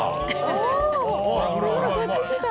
おすごいこっち来た。